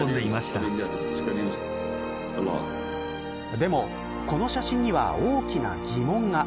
でも、この写真には大きな疑問が。